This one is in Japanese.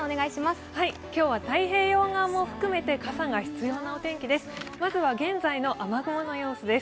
今日は太平洋側も含めて、傘が必要なお天気です。